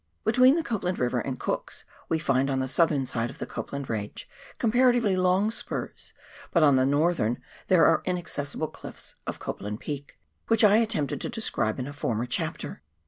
Between the Copland River and Cook's, we find on the southern side of the Copland Range comparatively long spurs, but on the northerii are the inaccessible cliffs of Cop land Peak, which I attempted to describe in a former chapter.